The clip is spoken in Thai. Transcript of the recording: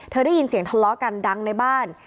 เธอได้ยินเสียงทันล้อกันดังในบ้าน